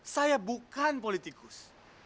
saya bukan politikus